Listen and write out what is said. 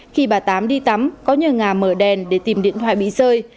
khi bà tám đi tắm có nhờ ngà mở đèn để tìm điện thoại bị rơi